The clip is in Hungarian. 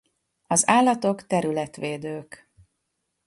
Az állatok területvédők.